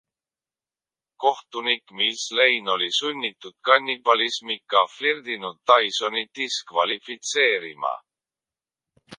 Kohtunik Mills Lane oli sunnitud kannibalismiga flirtinud Tysoni diskvalifitseerima.